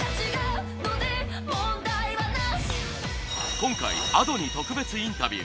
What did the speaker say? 今回Ａｄｏに特別インタビュー。